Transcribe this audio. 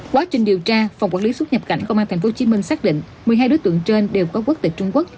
quá trình điều tra phòng quản lý xuất nhập cảnh công an tp hcm xác định một mươi hai đối tượng trên đều có quốc tịch trung quốc